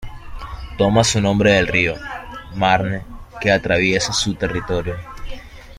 Toma su nombre del río Marne, que atraviesa su territorio.